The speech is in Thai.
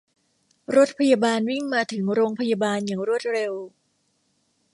รถพยาบาลวิ่งมาถึงโรงพยาบาลอย่างรวดเร็ว